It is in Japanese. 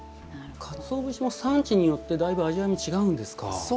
かつお節も産地によってだいぶ味わいも違うんですか。